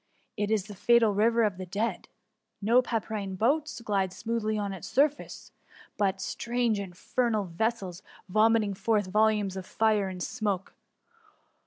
It is the fatal river of the dead. No pdpyrine boats glide smoothly on its surface ; but strange, in fernal vessels, vomiting forth volumes of fire and smoke.